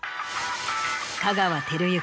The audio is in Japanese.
香川照之